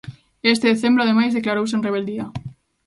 E este decembro, ademais, declarouse en rebeldía.